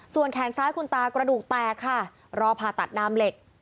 ส่วนแขนซ้ายคุณตากระดูกแตกค่ะรอผ่าตัดดามเหล็ก